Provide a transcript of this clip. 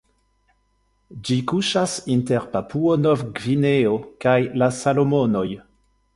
Ĝi kuŝas inter Papuo-Nov-Gvineo kaj la Salomonoj.